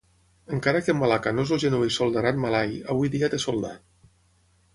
Encara que Malaca no és el genuí soldanat malai, avui dia té soldà.